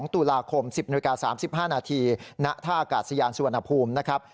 ๒ตุลาคม๑๐นาฬิกา๓๕นาทีณท่าอากาศยานสุวรรณภูมินะครับ